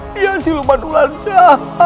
dia si luman ulanca